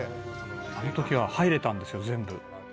「あの時は入れたんですよ全部」